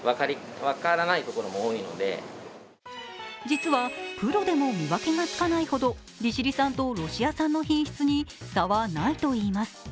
実はプロでも見分けがつかないほど利尻産とロシア産の品質に差はないといいます。